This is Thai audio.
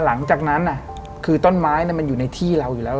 หลังจากนั้นคือต้นไม้มันอยู่ในที่เราอยู่แล้ว